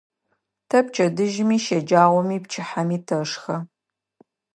Тэ пчэдыжьыми, щэджагъоми, пчыхьэми тэшхэ.